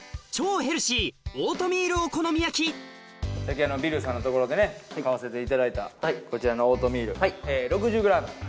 この後ビルさんのところでね買わせていただいたこちらのオートミール６０ｇ。